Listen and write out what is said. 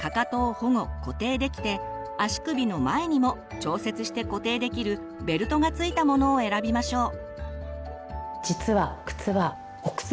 足首の前にも調節して固定できるベルトがついたものを選びましょう。